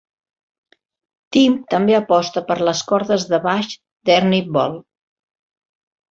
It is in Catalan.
Tim també aposta per les cordes de baix d'Ernie Ball.